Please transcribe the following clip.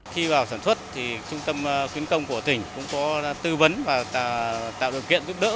khi vào sản xuất trung tâm khuyến công của tỉnh cũng có tư vấn và tạo điều kiện giúp đỡ